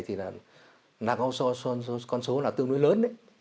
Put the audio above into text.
thì là con số là tương đối lớn